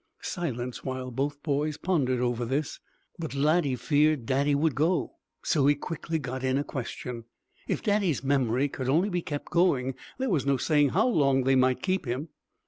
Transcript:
Silence while the boys pondered over this. But Laddie feared Daddy would go, so he quickly got in a question. If Daddy's memory could only be kept going there was no saying how long they might keep him.